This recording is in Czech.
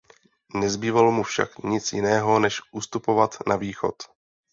Nezbývalo mu však nic jiného než ustupovat na východ.